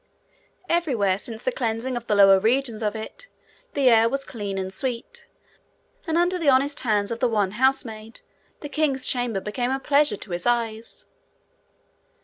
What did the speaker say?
Everywhere since the cleansing of the lower regions of it, the air was clean and sweet, and under the honest hands of the one housemaid the king's chamber became a pleasure to his eyes.